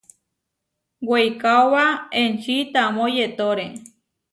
Weikaóba enči tamó yetóre.